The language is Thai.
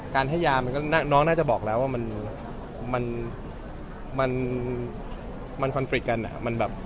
การให้ยาน้องน่าจะบอกแล้วว่ามันคอนฟริตกันอ่ะ